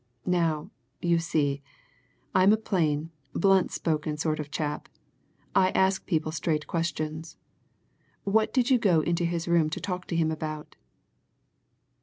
Now, you see, I'm a plain, blunt spoken sort of chap I ask people straight questions. What did you go into his room to talk to him about?"